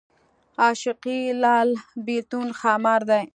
عاشقي لال بېلتون ښامار دی